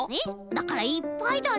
だからいっぱいだってば。